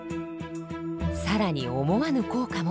更に思わぬ効果も。